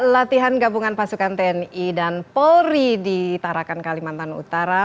latihan gabungan pasukan tni dan polri di tarakan kalimantan utara